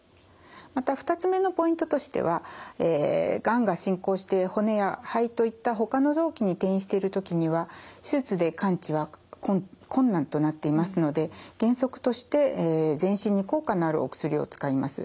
また２つ目のポイントとしてはがんが進行して骨や肺といったほかの臓器に転移してる時には手術で完治は困難となっていますので原則として全身に効果のあるお薬を使います。